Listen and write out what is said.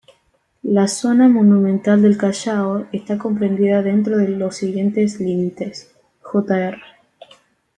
La zona monumental del Callao está comprendida dentro de los siguientes límites: Jr.